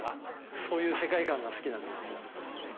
そういう世界観が好きなんで。